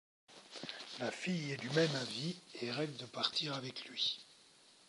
La fille est du même avis et rêve de partir avec lui.